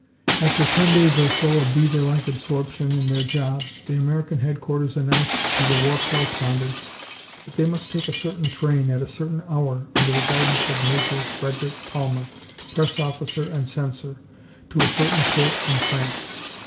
After ten days or so of beaver like absorption in their jobs the American headquarters announced to the war correspondents that they must take a certain train at a certain hour, under the guidance of Major Frederick Palmer, press officer and censor, to a certain port in France.